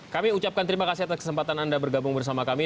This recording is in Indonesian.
kami ucapkan terima kasih atas kesempatan anda bergabung bersama kami